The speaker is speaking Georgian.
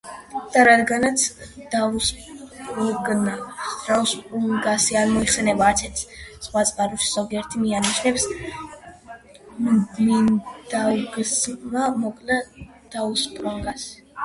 და რადგანაც, დაუსპრუნგასი არ მოიხსენიება არცერთ სხვა წყაროში, ზოგიერთი მიანიშნებს, მინდაუგასმა მოკლა დაუსპრუნგასი.